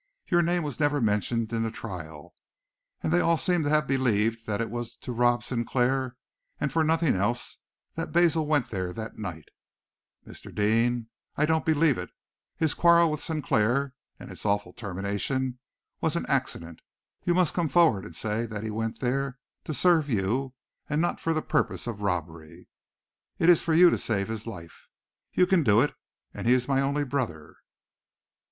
Your name was never mentioned in the trial, and they all seem to have believed that it was to rob Sinclair, and for nothing else, that Basil went there that night. Mr. Deane, I don't believe it. His quarrel with Sinclair, and its awful termination, was an accident. You must come forward and say that he went there to serve you, and not for purposes of robbery. It is for you to save his life. You can do it, and he is my only brother."